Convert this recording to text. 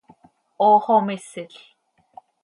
¡Hoox oo misil!